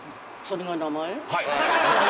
はい。